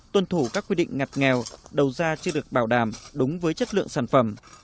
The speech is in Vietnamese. tuân thủ các quy định ngặt nghèo đầu ra chưa được bảo đảm đúng với chất lượng sản phẩm